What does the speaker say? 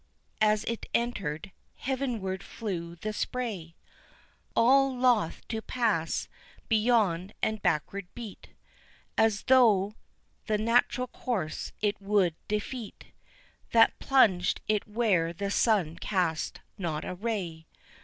as it entered, heavenward flew the spray All loth to pass beyond and backward beat, As though the natural course it would defeat That plunged it where the sun cast not a ray.